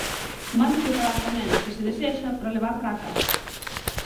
Vano preparar tamén, se se desexa, para levar para a casa.